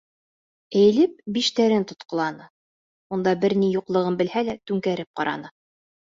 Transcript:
Эйелеп биштәрен тотҡоланы, унда бер ни юҡлығын белһә лә, түңкәреп ҡараны.